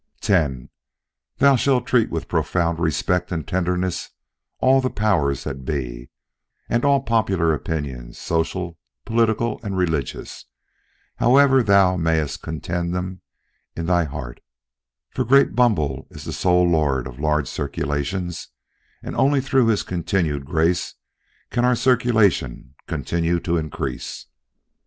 X. Thou shalt treat with profound respect and tenderness all the powers that be, and all popular opinions, social, political and religious, however thou mayest contemn them in thy heart; for great Bumble is the sole lord of large circulations, and only through his continued grace can our circulation continue to increase.